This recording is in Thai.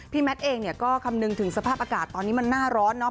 พี่แมทก็คำหนึ่งถึงสภาพอากาศตอนนี้มันน่าร้อนเนอะ